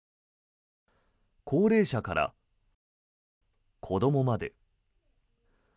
高齢者から子どもまで。